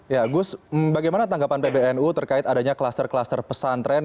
ya gus bagaimana tanggapan pbnu terkait adanya kluster kluster pesantren